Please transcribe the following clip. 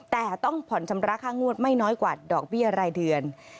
แต่ต้องผ่อนชำระค่างวดไม่น้อยกว่าดอกเบี้ยรายเดือน